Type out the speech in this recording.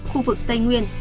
khu vực tây nguyên